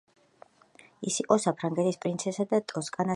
ის იყო საფრანგეთის პრინცესა და ტოსკანას ჰერცოგინია.